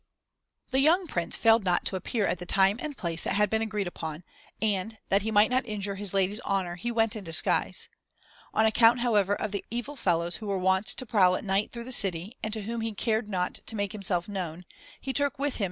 The young Prince failed not to appear at the time and place that had been agreed upon, and, that he might not injure his lady's honour, he went in disguise. On account, however, of the evil fellows (3) who were wont to prowl at night through the city, and to whom he cared not to make himself known, he took with him certain gentlemen in whom he trusted.